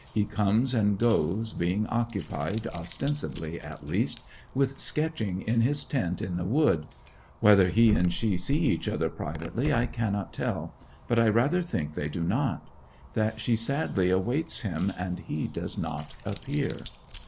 He comes and goes, being occupied, ostensibly at least, with sketching in his tent in the wood. Whether he and she see each other privately I cannot tell, but I rather think they do not; that she sadly awaits him, and he does not appear.